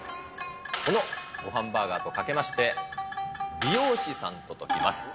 このごはんバーガーとかけまして、美容師さんと解きます。